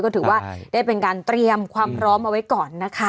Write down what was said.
ก็ถือว่าได้เป็นการเตรียมความพร้อมเอาไว้ก่อนนะคะ